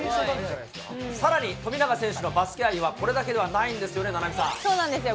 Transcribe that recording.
さらに富永選手のバスケ愛はこれだけではないんですよね、菜波さそうなんですよ。